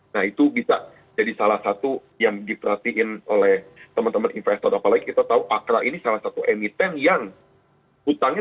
nah itu bisa jadi salah satu yang diperhatiin oleh teman teman investor apalagi kita tahu akra ini salah satu emiten yang utangnya